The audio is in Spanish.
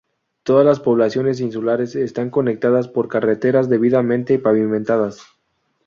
Todas las poblaciones insulares están conectadas por carreteras debidamente pavimentadas.